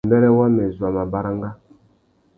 Mbêrê wamê zu a mà baranga.